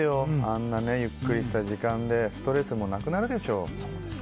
あんなゆっくりした時間でストレスもなくなるでしょう。